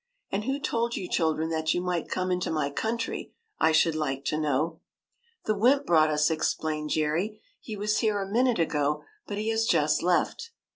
And who told you children that you might come into my country, I should like to know ?" "The wymp brought us," explained Jerry. " He was here a minute ago, but he has just left."